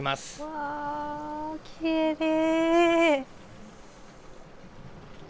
わあ、きれい。